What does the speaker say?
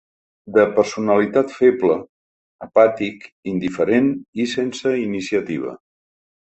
De personalitat feble, apàtic, indiferent i sense iniciativa.